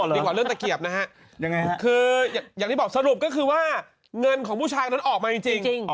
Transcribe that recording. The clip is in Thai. ดีกว่าเรื่องตะเกียบนะฮะยังไงฮะคืออย่างที่บอกสรุปก็คือว่าเงินของผู้ชายนั้นออกมาจริง